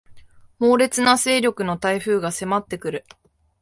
猛烈な勢力の台風が迫ってくる